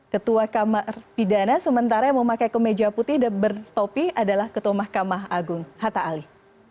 ketua kamar pidana sementara yang memakai kemeja putih dan bertopi adalah ketua mahkamah agung hatta ali